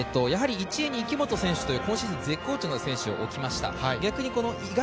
１泳に池本選手という、今シーズン勢いのある選手を置きました。